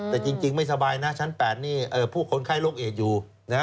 แต่จริงไม่สบายนะชั้น๘นี่ผู้คนไข้โรคเอดอยู่